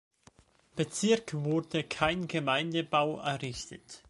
Bezirk wurde kein Gemeindebau errichtet.